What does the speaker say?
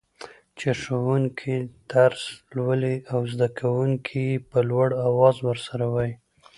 چي ښوونکي درس لولي او زده کوونکي يي په لوړ اواز ورسره وايي.